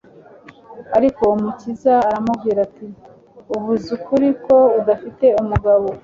Ariko Umukiza aramubwira ati: "Uvuze ukuri ko udafite umugabo,